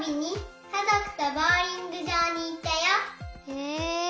へえ！